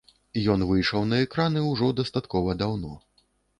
Ён выйшаў на экраны ўжо дастаткова даўно.